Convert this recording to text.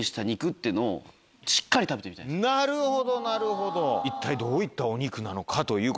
なるほどなるほど。